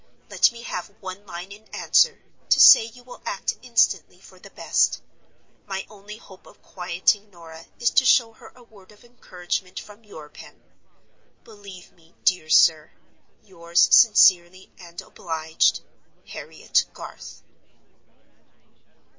Let me have one line in answer, to say you will act instantly for the best. My only hope of quieting Norah is to show her a word of encouragement from your pen. Believe me, dear sir, yours sincerely and obliged, "HARRIET GARTH."